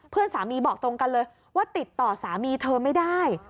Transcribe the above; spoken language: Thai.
เพื่อนสามีบอกตรงกันเลยว่าติดต่อสามีเธอไม่ได้